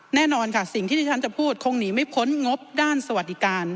แน่นอนค่ะสิ่งที่ที่ฉันจะพูดคงหนีไม่พ้นงบด้านสวัสดิการ